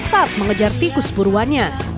saat mengejar tikus buruannya